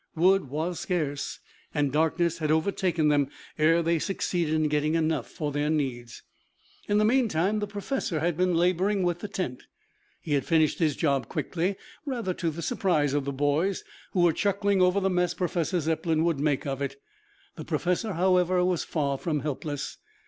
Wood was scarce and darkness had overtaken them ere they succeeded in getting enough for their needs. In the meantime the professor had been laboring with the tent. He had finished his job quickly, rather to the surprise of the boys, who were chuckling over the mess Professor Zepplin would make of it. The professor, however, was far from helpless.